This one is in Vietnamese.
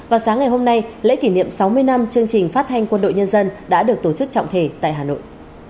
và sáng ngày hôm nay lễ kỷ niệm sáu mươi năm chương trình phát thanh quân đội nhân dân đã được tổ chức trọng thể tại hà nội